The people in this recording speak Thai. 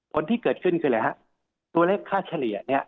ผลที่เกิดขึ้นคืออะไรฮะตัวเลขค่าเฉลี่ยเนี่ย